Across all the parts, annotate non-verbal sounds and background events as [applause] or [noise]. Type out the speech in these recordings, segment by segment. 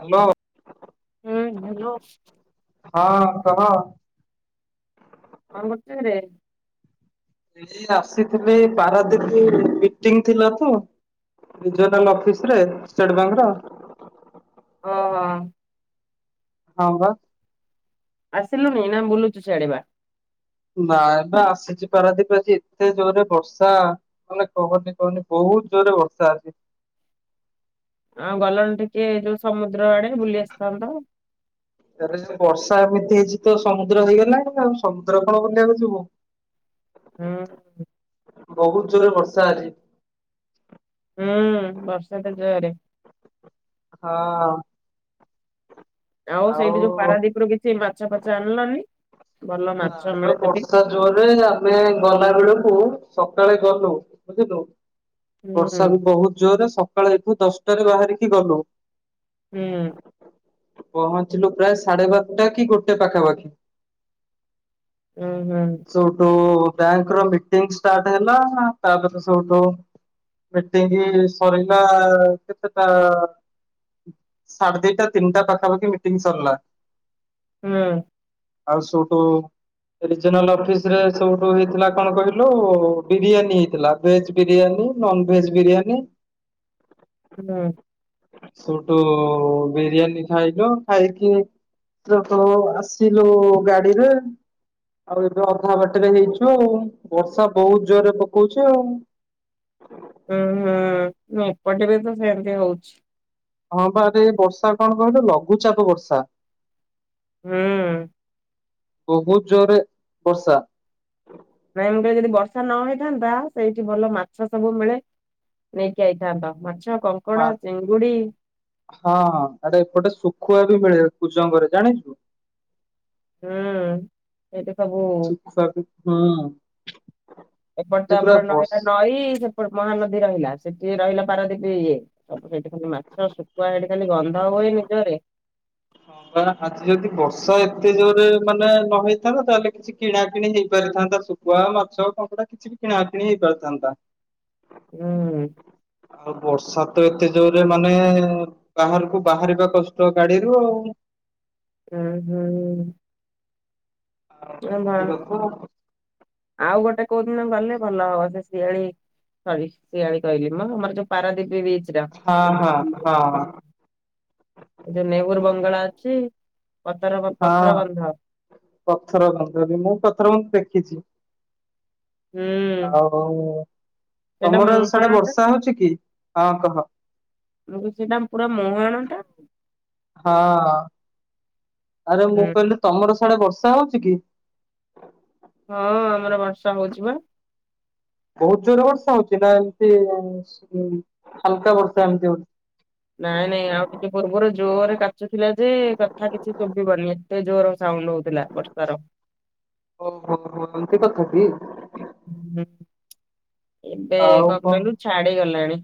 Hello. ହୁଁ hello. ହଁ କହ। କଣ କରଚୁ କିରେ? ଏଇ ଆସିଥିଲି ପାରାଦୀପି ମିଟିଙ୍ଗ୍ ଥିଲା ତ। ରିଜନାଲ୍ ଅଫିସ୍ ରେ ଷ୍ଟେଟ ବ୍ୟାଙ୍କ୍ ର। ଓହୋ। ହଁ ବା। ଆସିଲୁନି ନା ବୁଲୁଚୁ ସିଆଡେ ବା? ନାଇଁ ଏବେ ଆସିଚି ପାରାଦୀପି ଆଜି ଏତେ ଜୋରେ ବର୍ଷା। ମାନେ କହନି କହନି ବହୁତ୍ ଜୋରେ ବର୍ଷା ଆଜି। ଆଁଉ ଗଲନି ଟିକେ ଯୋଉ ସମୁଦ୍ର ଆଡେ ବୁଲି ଆସିଥାନ୍ତ? ଏରେ ଯେ ବର୍ଷା ଏମିତି ହେଇଛି ତ ସମୁଦ୍ର ହେଇଗଲା ଆଉ ସମୁଦ୍ର କଣ ବୁଲିବାକୁ ଯିବୁ। ହୁଁ। ବହୁତ୍ ଜୋରେ ବର୍ଷା ଆଜି। ହୁଁ ବର୍ଷା ତ ଜୋରେ। ହଁ। ଆଉ ସେଇଠି ଯୋଉ ପାରାଦୀପ ରୁ କିଛି ମାଛ ଫାଛ ଆଣିଲନି ଭଲ ମାଛ ନା ମିଳେ ସେଠି। ବର୍ଷା ଜୋରରେ ଆମେ ଗଲା ବେଳକୁ ସକାଳେ ଗଲୁ ବୁଝିଲୁ। ହୁଁ ବର୍ଷା ବହୁତ୍ ଜୋରେ ସକାଳେ ଏଠୁ ଦଶଟାରେ ବାହାରିକି ଗଲୁ। ହୁଁ। ପହଞ୍ଚିଲୁ ପ୍ରାୟେ ସାଢେ ବାରଟା କି ଗୋଟେ ପାଖାପାଖି। ଉଁ ହୁଁ। ସେଉଠୁ ବ୍ୟାଙ୍କ୍ ର ମିଟିଙ୍ଗ୍ ଷ୍ଟାର୍ଟ ହେଲା ତାପରେ ସେଉଠୁ। ମିଟିଙ୍ଗି ସରିଲା କେତେଟା। ସାଢେ ଦିଟା ତିନଟା ପାଖାପାଖି ମିଟିଙ୍ଗ୍ ସରିଲା। ହୁଁ। ଆଉ ସୁଟୁ। ରିଜନାଲ୍ ଅଫିସ୍ ରେ ସେଉଠୁ ହେଇଥିଲା କଣ କହିଲୁ ବିରିୟାନୀ ହେଇଥିଲା। Veg biryani non veg biryani. ହୁଁ ସେଠୁ ବିରିୟାନୀ ଖାଇଲୁ। ଖାଇକି ସେଠୁ ଆସିଲୁ ଗାଡିରେ। ଆଉ ଏବେ ଅଧା ବାଟରେ ହେଇଛୁ, ବର୍ଷା ବହୁତ ଜୋରରେ ପକଉଛି ଆଉ। ଉୁଁ ହୁଁ ଏପଟେ ବି ତ ସେମତି ହଉଛି। ହଁ ବାରେ ବର୍ଷା କଣ କହିଲୁ ଲଘୁଚାପ ବର୍ଷା। ହୁଁ। ବହୁତ ଜୋରରେ ବର୍ଷା ମେନ ରେ ଯଦି ବର୍ଷା ନ ହେଇଥାନ୍ତା ସେଇଠି ଭଲ ମାଛ ସବୁ ମିଳେ। ନେଇକି ଆଇଥାନ୍ତ ମାଛ ମା କଙ୍କଡା ଚିଙ୍ଗୁଡି। ହଁ ହଁ ଏରେ ଏପଟେ ଶୁଖୁଆ ବି ମିଳେ କୂଜଙ୍ଗରେ। ଜାଣିଛୁ? ହୁଁ ଏଇଠୁ ସବୁ ସୁଖୁଆକୁ ହୁଁ ଏପଟ ଯେ ତ ପୁରା ଆମର ବର୍ଷ ନହିଲା ନଈ ସେପଟ ମହାନଦୀ ରହିଲା। ସେଠି ରହିଲା ପାରଦୀପୀ ଇଏ। ସବୁ ସେଠି ଖାଲି ମାଛ ଶୁଖୁଆ ସେଠି ଖାଲି ଗନ୍ଧ ହୁଏ ଜୋରରେ। ହଁ ବା ଆଜି ଯଦି ବର୍ଷା ଏତେ ଜୋରରେ ମାନେ ନ ହେଇଥାନ୍ତା, ତାହେଲେ କିଛି କିଣା କିିଣି ହେଇପାରିଥାନ୍ତା। କୁଆ ମାଛ କଙ୍କଡ଼ା କିଛି ବି କିଣା କିିଣି ହେଇପାରିଥାନ୍ତା। ହୁଁ। ଆଉ ବର୍ଷା ତ ଏତେ ଜୋରରେ ମାନେ ବାହାରକୁ ବାହାରିବା କଷ୍ଟ ଗାଡିରୁୁ ଆଉ। ହୁଁ ହୁଁ ଶିବଙ୍କ ଆଉ ଗୋଟେ କୋଉ ଦିନ ଗଲେ ଭଲ ହବ। ସେ ସିଆଳି ସରି ସିଆଳି କହିଲି ମୁଁ ଆମର ଯୋଉ ପାରାଦୀପ ବିଚ ହଁ ହଁ ହଁ। ଏଇ ଯୋଉ ନେହୁର ବଙ୍ଗଳା ଅଛି ପଥର ହଁ ପଥର ବନ୍ଧ। ପଥର ବନ୍ଧ ବି ମୁଁ ପଥର ବନ୍ଧ ଦେଖିଛି। ହୁଁ। ଆଉ ସେଇଟା ତମର ସିଆଡେ ମୁହାଣ ଟା ବର୍ଷା ହଉଛି କି? ହଁ କହ। ଆ ସେଇଟା ପୁରା ମୁଁହାଣ ଟା ହଁ ଆରେ ମୁଁ ହୁଁ କହିଲି ତମର ସାଡେ ବର୍ଷା ହଉଛି କି? ହଁ ଆମର ବର୍ଷା ହଉଛି ବା। ବହୁତ ଜୋରେ ବର୍ଷା ହଉଛି, ନା ଏମିତି ହାଲକା ବର୍ଷା ଏମତି ହଉଛି। ନାଇଁ ନାଇଁ ଆଉ ଟିକେ ପୂର୍ବରୁ ଜୋରରେ କାଚୁଥିଲା ଯେ କଥା କିଛି ଶୁଭିବନି। ତେ ଜୋର ସାଉଣ୍ଡ ହଉଥିଲା ବର୍ଷାର। ଓ ହୋ ହୋ ଆମତି କଥା କି? ହୁଁ ହୁଁ, ଏବେ କଣ କହିଲୁ ଛାଡି ଗଲାଣି।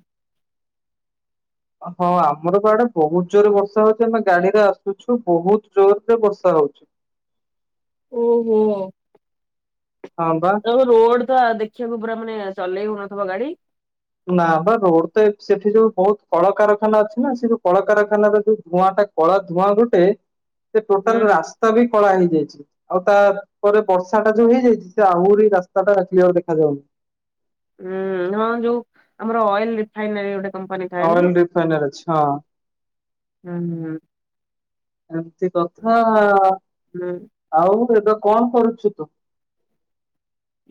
ହଁ ଆମର ବା ଆଡେ ବହୁତ ଜୋରରେ ବର୍ଷା ହଉଛି, ଆମେ ଗାଡିରେ ଆସୁଛୁ ବହୁତ ଜୋରରେ ବର୍ଷା ହଉଛି। ଓ ହୋ। ହଁ ବା। ତା ରୋଡ ତ ଦେଖିବାକୁ ପୁରା ମାନେ ଚଲେଇ ହଉନଥିବ ଗାଡି? ନା ବା ରୋଡ ତ ସେଠି ଯୋଉ ବହୁତ କଳକାରଖାନା ଅଛି ନା ସେ ଯୋଉ କଳକାରଖାନାର ଯୋଉ ଧୂଆଁ ଟା କଳା ଧୂଆଁ ଗୋଟେ, ସେ ହୁଁ ଟୋଟାଲ ରାସ୍ତା ବି କଳା ହେଇଯାଇଛି। ଆଉ ତାପରେ ବର୍ଷା ଟା ଯୋଉ ହେଇଯାଇଛି, ସେ ଆହୁରି ରାସ୍ତା ଟା କ୍ଲିଅର ଦେଖାଯାଉନି। ହୁଁ ହଁ ଯୋଉ ଆମର ଅଏଲ ରିଫାଇନାରୀ ଗୋଟେ କମ୍ପାନୀ ଥାଏ ନା। ଅଏଲ ରିଫାଇନର୍ ଅଛି। ହଁ। ହୁଁ। ଏମିତି କଥା ହୁଁ ହୁଁ। ଆଉ, ଏବେ କଣ କରୁଛୁ ତୁ?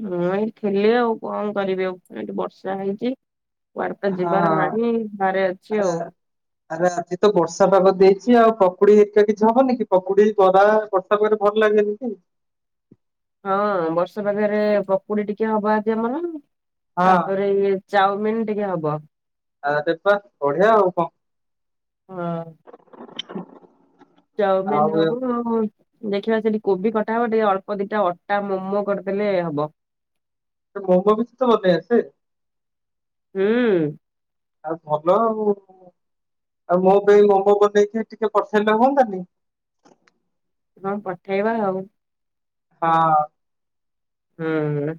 ମୁଁ ଏଇଠି ଥିଲି ଆଉ କଣ କରିବି ଆଉ। ଏଠି ବର୍ଷା ହେଇଛି।। କୁଆଡେ ତ ଯିବାର ହଁ ନାହିଁ। ଘରେ ଅଛି ଆରେ ଆଉ।। ଆରେ ଆଜି ତ ବର୍ଷା ପାଗ ଦେଇଛି ଆଉ ପକୁଡି ହେରିକା କିଛି ହବନି କି? ପକୁଡି, ବରା। ତରେ ଭଲ ଲାଗେନି କି। ହଁ ବର୍ଷ ପାଖରେ ପକୁଡି ଟିକେ ହବା, ଆଜି ଆମର ହଁ ତାପରେ ଇଏ ଚାଉମିିନ ଟିକେ ହବ। ଆରେ ପା ବଢିଆ ଆଉ କଣ। ହଁ। [inaudible] ଚାଓମିିନ ଆଉ ହବନା ଆଉ। ଦେଖିବା ସେଠି କୋବି କଟା ହବ ଟିକେ ଅଳ୍ପ ଦିଟା ଅଟା ମୋମୋ କରିଦେଲେ ହବ। [unintelligible] ହୁଁ। ଆଉ ଭଲ ଆଉ ଆଉ ମୋ ପାଇଁ ମୋମ ବନେଇକି ଟିକେ ପଠେଇଲେ ହୁଅନ୍ତାନି। ହଁ ପଠେଇବା ଆଉ। ହଁ। ହୁଁ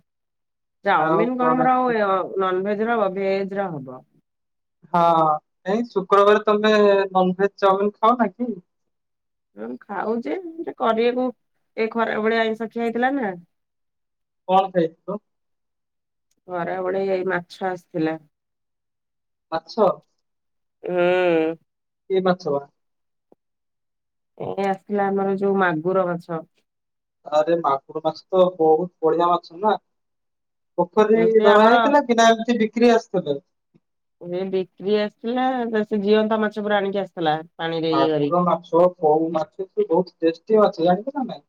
ଆଉ ଚାଉମିିନ କଣ ଆମର ଏମିତି ର ନନ ଭେଜ ର ଭେଜ ର ହବ। ହଁ, ଏ ଶୁକ୍ରବାର ତମେ ନନଭେଜ ଚାଓମିନ ଖାଅ ନା କି? ହଁ ଖାଉଚେ କରିବାକୁ ଏ ଖରା ଭଳିଆ ଆଇଁଷଖିଆ ହେଇଥିଲା ନା। କଣ ଖାଇଥିଲ? ଖରା ବେଳେ ଏଇ ମାଛ ଆସିଥିଲା। ମାଛ। ହୁଁ। କି ମାଛ? ଏ ଆସି ଥିଲାା ଆମର ଯୋଉ ମାଗୁର ମାଛ। ଆରେ ମାଗୁର ମାଛ ତ ବହୁତ ବଢିଆ ମାଛ ନା। ପୋଖରୀ ରେ ସେ ଧରା ଆମର ହେଇଥିଲା କି ନା ଏମିତି ବିକ୍ରି ଆସିଥିଲେ। ସେ ବିକ୍ରି ଆସିଥିଲା ନା ସେ ଜିଅନ୍ତା ମାଛ ପୁରା ଆଣିକି ଆସିଥିଲା। ପାଣିରେ ଇଏ କରି ଆଗୁର ମାଛୋ କଉ ମାଛ ଟିରୁ ଟେ ଷ୍ଟି ମାଛ ଜାଣିଛ ନା ନାଇଁ।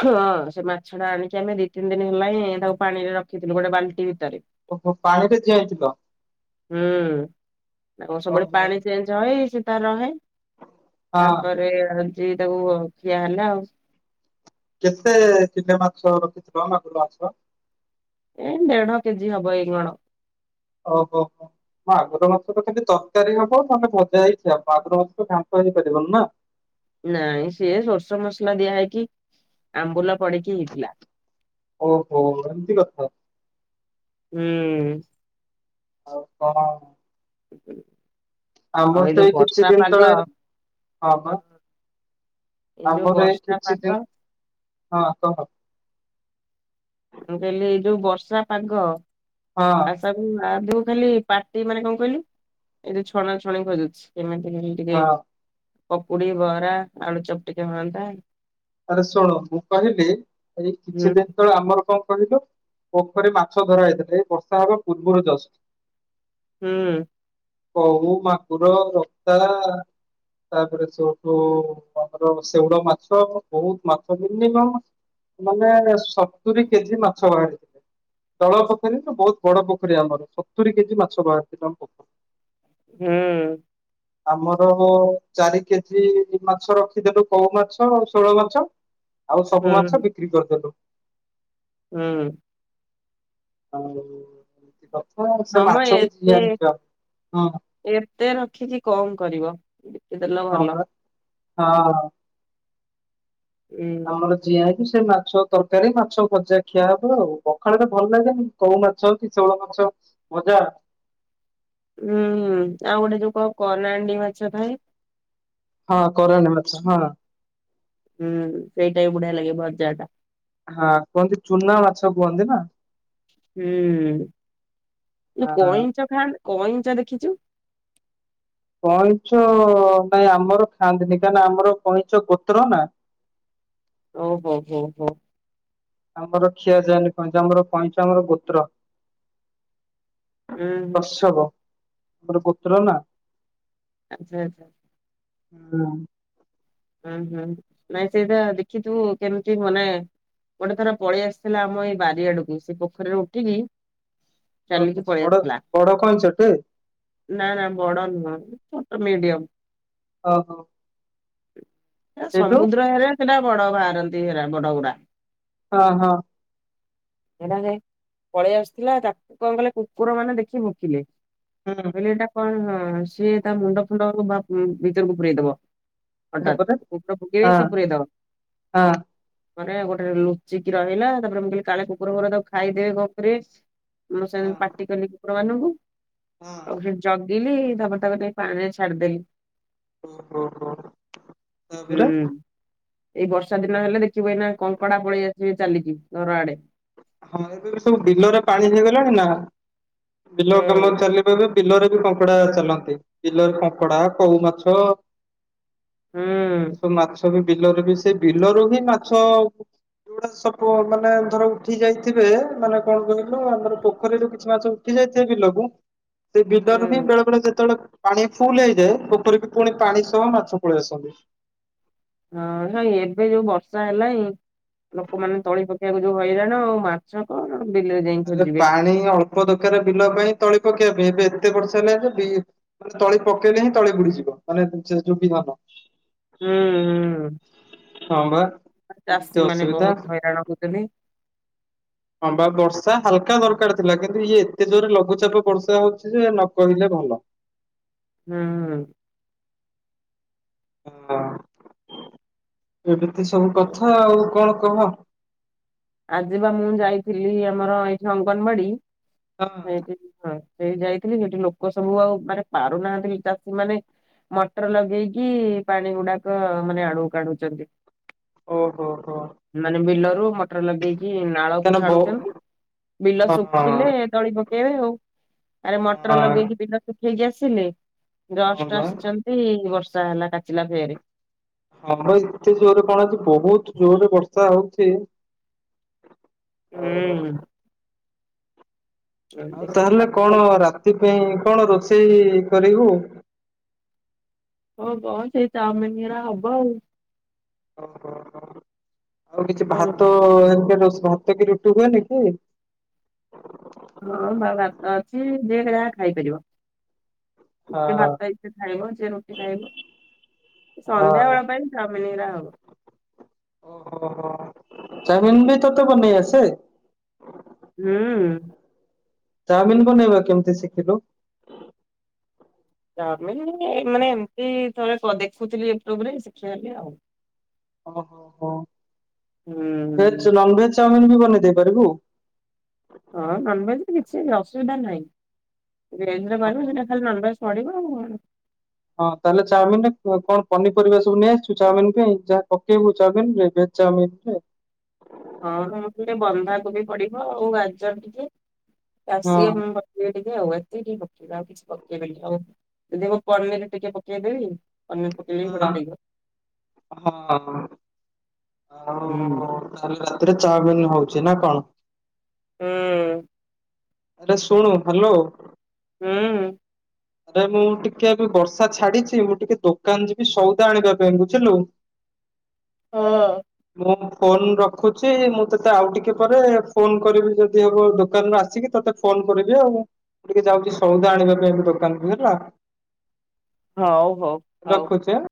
ହଁ, ସେ ମାଛ ଟା ଆଣିକି ଆମେ ଦି ତିନି ଦିନ ହେଲା ହିଁ ତାକୁ ପାଣିରେ ରଖିଥିଲୁ ଗୋଟେ ବାଲ୍ଟି ଭିତରେ। ଓ ହୋ ପାଣି ରେ ଚିଆଁଇ ଥିଲ। ହୁଁ ତାଙ୍କର ସବୁବେଳେ ଓହୋ ପାଣି ଚେଞ୍ଜ ହଏ ସେ ତା ରହେ। ହଁ ତାପରେ ଆଜି ତାକୁ ଖିଆ ହେଲା ଆଉ। କେତେ ଚିଲେ ମାଛ ରଖିଥିଲ ମାଗୁର ମାଛ। ଏ ଦେଢ କେଜି ହବ ଏଇଗଣ। ଓହୋ, ହୋ। ମଗୁରମାଛ ଖାଲି ତରକାରି ହବ ନାହେଲେ ଭାଜା ଚି ମାଗୁରମାଛ ତ ଘାଣ୍ଟ ହେ ଇ ପରିବନିନା। ନାଇଁ ସିଏ ସୋରିସ ମସଲା ଦିଆ ହେଇକି ଆମ୍ବୁଲା ପଡିକି ହେଇଥିଲା। ଓହୋ ଏମତି କଥା।। ହୁଁ। ଆଉ କଣ? ଆଉ ଆମର ତ ଯୋଉ ଏଇ କିଛି ବର୍ଷା ଦିନ ପାଗ ତଳେ ହଁ ଵା। ଯୋଉ ଆମର ଏଇ ବର୍ଷା କିଛି ପାଗ ଦିନ ହଁ କହ। ମୁଁ କହିଲି ଏଇ ଯୋଉ ବର୍ଷା ପାଗ। ହଁ। ତାକୁ ଆଦଉ ଖାଲି ପାଟି ମାନେ କଣ କହିଲୁ ଏଇ ଯୋଉ ଛଣା ଛଣି ଖୋଜୁଛି କେମିତି କିଣି ଟିକେ ହଁ। ପକୁଡ଼ି, ବରା, ଆଳୁଚପ ଟିକେ ହଅନ୍ତା। ଆରେ ଶୁଣୁ ମୁଁ କହିଲି ଏଇ ହୁଁ କିଛି ଦିନ ତଳେ ଆମର କଣ କହିଲୁ ପୋଖରୀ ମାଛ ଧରା ହେଇଥିଲେ ଏ ବର୍ଷା ହେବା ପୂର୍ବରୁ ଯଷ୍ଟ। ହୁଁ। କହୁ, ମାକୁର, ରତା ତାପରେ ସେଉଠୁ ଆମର ଶେଉଳ ମାଛ ବହୁତ ମାଛ ମିନିମମ୍ ମାନେ ସତୁରି କେଜି ମାଛ ବାହାରିଚି। ତଳ ପୋଖରୀ ଠୁ ବହୁତ ବଡ ପୋଖରୀ ଆମର ସତୁୁରି କେଜି ମାଛ ବାହାରିଥିଲା ଆମ ପୋଖର ହଁ। ଆମର ଅ ଅ ଚାରି କେଜି ମାଛ ରଖିଦେଲୁ କଉ ମାଛ। ତୋଳ ମାଛ ଆଉ ସବୁ ହୁଁ ମାଛ ବିକ୍ରି କରିଦେଲୁ। ହୁଁ। ଆଉ ଏମତି କଥା ସେ ହଁ ମ ମାଛ ବି ଏତେ ଜିଆଁ ଥିବ ହଁ। ଏତେ ରଖିଚି କଣ କରିବ। ବିକିଦେଲ ହଁ ଭଲ ପା ହଁ। ଉଁ ଆମର ଜିଆଁ ହେଇକି ସେ ମାଛ ତରକାରୀ ମାଛ ଭଜା ଖିଆ ହବ ଆଉ ପଖାଳ ଟା ଭଲ ଲାଗେନି କଉ ମାଛ କି ଶେଉଳ ମାଛ ଭଜା ହୁଁ ଆଉ ଗୋଟେ ଯୋଉ କ କରନାଣ୍ଡି ମାଛ ଥାଏ? ହଁ କରାଣ୍ଡି ମାଛ ହଁ। ହୁଁ ସେଇଟା ବି ବୁଢ଼ିଆ ଲାଗେ ଭଜା ଟା। ହଁ କୁହନ୍ତି ଚୁନା ମାଛ କୁହନ୍ତି ନା? ହୁଁ ଯୋଉ ହଁ କଇଁଚ ଖାଆନ୍ତ କଇଁଚ ଦେଖିଚୁ? କଇଁଛ ଅ ଅ ନାଇଁ ଆମର ଖାଆନ୍ତିନି କାହିଁ ନା ଆମର କଇଁଛ ଗୋତ୍ର ନା। ଓ ହୋ ହୋ ହୋ। ଆମର ଖିଆ ଯାଏନି କଇଁଛ ଆମର କଇଁଛ ଆମର ଗୋତ୍ର। ଉଁ ହୁଁ କଶ୍ୟବ ଆମର ଗୋତ୍ର ନା। ଆଚ୍ଛା ଆଚ୍ଛା। ହୁଁ। ଉଁ ହୁଁ ନାଇଁ ସେଇଟା ଦେଖିଥିବୁ କେମତି ମାନେ ଗୋଟେ ଥର ପଳେଇ ଆସିଥିଲା ଆମ ଏଇ ବାରି ଆଡ଼କୁ ସେ ପୋଖରୀରୁ ଉଠିକି ଚାଲିକି ଓହୋ ପଳେଇ ବଡ଼ ଆସିଥିଲା ବଡ଼ କଇଁଛ ଟେ? ନା ନା ବଡ ନୁହଁ ଛୋଟ ମିଡିଅମ। ଓହୋ। ହେରା ସେଇଠୁ ସମୁଦ୍ର ହେରା ସେଟା ବଡ଼ ବାହାରନ୍ତି ହେରା ବଡ଼ଗୁଡ଼ା। ହଁ ହଁ। ସେଟା ଯେ ପଳେଇ ଆସଥିଲା ତାକୁ କଣ କଲେ କୁକୁର ମାନେ ଦେଖି ଭୋକିଲେ। ହୁଁ। କହିଲି ଏଟା କଣ ସିଏ ତା ମୁଣ୍ଡ ଫୁଣ୍ଡ ବା ଭିତରକୁ ପୁରେଇଦବ। ହଠାତ୍ ତାପରେ କୁକୁର ପକେଇବେ ହଁ ସେ ପୁରେଇଦବ। ହଁ ମାନେ ଗୋଟେ ଲୁଚିକି ରହିଲା ତାପରେ ମୁଁ କହିଲି କାଳେ କୁକୁର ଫୁକୁର ତାକୁ ଖାଇଦେବ କଣ କରିବେ ମୁଁ ହଁ ସେଣୁ ପାଟି କଲି କୁକୁରମାନଙ୍କୁ ହଁ ଆଉ ହେ ଜଗିଲି ତାପର ତାକୁ ନେଇ ପାଣିରେ ଛାଡିଦେଲି। ଓ ହୋ ହୋ। ତାପରେ ହୁଁ ଏଇ ବର୍ଷା ଦିନ ହେଲେ ଦେଖିବୁ, ଏଇନା କଙ୍କଡା ପଳେଇ ଆସିବେ ଚାଲିକି ଘର ଆଡେ। ହଁ ଏବେ ବି ସବୁ ବିଲରେ ପାଣି ହେଇଗଲାଣି ନା, ବିଲ କାମ ହୁଁ। ଚାଲି ଏବେ ବିଲରେ ବି କଙ୍କଡା ଚାଲନ୍ତି। ବିଲରେ କଙ୍କଡା, କଉମାଛ ହୁଁ [unintelligible] ମାଛ ସବୁ ବିଲରେ ବି, ସେ ବିଲରୁ ବି ମାଛ ଯୋଉଟା ସବୁ ମାନେ ଧର ଉଠି ଯାଇଥିବେ, ମାନେ କଣ କହିଲୁ ଆମର ପୋଖରୀରୁ କିଛି ମାଛ ଉଠି ଯାଇଥିବେ ବିଲକୁ ସେ ବିଲରୁ ବି ହୁଁ ବେଳେବେଳେ ଯେତେବେଳେ ପାଣି ଫୁଲ ହେଇଯାଏ, ପୋଖରୀକୁ ପୁଣି ପାଣି ସହ ମାଛ ପଳେଇ ଆସନ୍ତି। ହଁ ନାଇଁ ଏବେ ଯୋଉ ବର୍ଷା ହେଲାଇଁ ଲୋକମାନେ ତଳି ପକେଇବାକୁ ଯୋଉ ହଇରାଣ, ମା ମାଛ କଣ ବିଲରେ ଯାଇ ଆରେ ଖୋଜିବେ। ପାଣି ଅ ଳ୍ପ ଦରକାରେ ବିଲ ପାଇଁ ତଳି ପକେଇବା ପାଇଁ, ଏବେ ଏତେ ବର୍ଷା ହେଲାଇ ଯେ ବି ମାନେ ତଳି ପକେଇଲେ ହିଁ ତଳି ବୁଡିଯିବ, ମାନେ ସେ ଯୋ ବିହନ। ହୁଁ ହୁଁ ହଁ ବା ଏମିତି ଅସୁବିଧା। କାଣ କହୁଥିଲି? ହଁ ବା ବର୍ଷା ହାଲକା ଦରକାର ଥିଲା, କିନ୍ତୁ ଇଏ ଏତେ ଜୋରେ ଲଘୁଚାପ ବର୍ଷା ହଉଛି ଯେ ନ କହିଲେ ଭଲ। ହୁଁ। ହଁ ଏମିତି ସବୁ କଥା ଆଉ, କଣ କହ? ଆଜି ବା ମୁଁ ଯାଇଥିଲି ଆମର ଏଇଠି ଅଙ୍ଗନବାଡି, ହଁ ସେଇଠି ସେଇ ଯାଇଥିଲି, ସେଠି ଲୋକ ସବୁ ଆଉ ମାନେ ପାରୁନାହାନ୍ତି ଚାଷୀ ମାନେ ମଟର ଲଗେଇକି ପାଣି ଗୁଡାକ ମାନେ ଆଡୁକୁ କାଢୁଛନ୍ତି। ଓ ହୋ ହୋ। ମାନେ ବିଲରୁ ମଟର ଲଗେଇକି ନାଳକୁ କାହିଁକିନା ବ ଛାଡୁଛନ୍ତି, ବିଲ ହଁ ଶୁଖିଲେ ତଳି ପକେଇ ଆଉ, ଆରେ ମଟର ହଁ ଲଗେଇକି ବିଲ ଶଖେଇକି ଆସିଲେ ହଁ ଜଷ୍ଟ ବା ଆସିଛନ୍ତି ବର୍ଷା ହେଲା କାଚିଲା ଫେରେ। ହଁ ବା ଏତେ ଜୋରରେ କଣ, ଆଜି ବହୁତ ଜୋରରେ ବର୍ଷା ହଉଛି। ଆଉ ହୁଁ। ଆଉ ଏମିତି ସବୁ ତାହେଲେ କଥା କଣ ରାତି ପାଇଁ କଣ ରୋଷେଇ କରିବୁ? ହବ ସେଇ ଚାଓମିନ୍ ହେରା ହବ ଆଉ। ଓହୋ ଆଉ କିଛି ହଁ ଭାତ ହେରା ଭାତ କି ରୁଟି ହୁଏନି କି? ହଁ ବା ଭାତ ଅଛି ଯିଏ ଯାହା ଖାଇପାରିବ। ଯିଏ ହଁ ଭାତ ଇଚ୍ଛା ଖାଇବ, ଯିଏ ରୁଟି ଖାଇବ। ସନ୍ଧ୍ୟା ହଁ। ବେଳ ପାଇଁ ଚାଓମିନ୍ ହେରା ହବ। ଓ ହୋ ଚାଉମିନ ବି ତୋତେ ବନେଇ ଆସେ? ହୁଁ। ଚାଓମିନ୍ ବନେଇବା କେମିତି ଶିଖିଲୁ? ଚାଓମିନ୍ ମାନେ ଏମତି ଥରେ ଦେଖୁଥିଲି ୟୁଟ୍ୟୁବରେ ଶିଖିଗଲି ଆଉ। ଓ ହୋ ହୋ ହୁଁ ଭେଜ, ନନଭେଜ ଚାଓମିିନ୍ ବି ବନେଇ ଦେଇ ପାରିବୁ? ହୁଁ ନନଭେଜରେ କିଛି ଅସୁବିଧା ନାହିଁ, ଓହୋ [unintelligible] ଖାଲି ନନଭେଜ ପଡିବ ଆଉ କଣ? ହଁ ତାହେଲେ ଚାଉମିନରେ କଣ ପନିପରିବା ସବୁ ନେଇଆସିଛୁ, ଚାଉମିନ ପାଇଁ ଯାହା ପକେଇବୁ ଚାଉମିନ ରେ? ଚାଉମିିନରେ। ହଁ- ହଁ ସେ ବନ୍ଧା କୋବି ପଡିବ, ଆଉ ଗାଜର ଟିକେ, ହଁ କ୍ୟାପସିଗମ୍ ପ ଟିକେ ଆଉ ଏତିକି ଟିକେ ପକେଇବେ ଆଉ କିଛି ପକେଇବିନି, ଆଉ ଯଦି ହବ ପନିରେ ଟିକେ ପକେଇଦେବି। ପନିର୍ ପକାଇ ବଢିଆ ହେଇଛି। ହଁ ହଁ। ଆଉ ହୁଁ। କାଲି ରାତିରେ ଚାଓମିନ୍ ହଉଛି ନା କଣ? ହୁଁ। ଆରେ ଶୁଣୁ ହ୍ୟାଲୋ। ହୁଁ। ଆରେ ମୁଁ ଟିକେ ଏବେ ବର୍ଷା ଛାଡିଛି ମୁଁ ଟିକେ ଦୋକାନ ଯିବି ସଉଦା ଆଣିବା ପାଇଁ ବୁଝିଲୁ। ହଁ। ମୁଁ ଫୋନ ରଖୁଛି ମୁଁ ତୋତେ ଆଉ ଟିକେ ପରେ ଫୋନ କରିବି ଯଦି ହବ ଦୋକାନରୁ ଆସିକି ତୋତେ ଫୋନ କରିବି ଆଉ ମୁଁ ଟିକେ ଯାଉଛି ସଉଦା ଆଣିବା ପାଇଁ ଦୋକାନ କୁ ହେଲା। ହଉ ହଉ ହ। ରଖୁଛି ଆଁ।